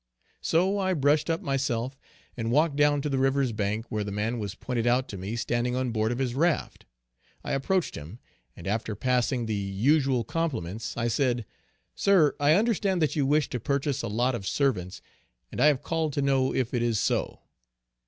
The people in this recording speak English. So I brushed up myself and walked down to the river's bank, where the man was pointed out to me standing on board of his raft, I approached him, and after passing the usual compliments I said: "Sir, I understand that you wish to purchase a lot of servants and I have called to know if it is so."